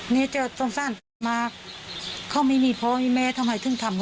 นี่เจอต้นสร้างมากเขาไม่มีเพราะ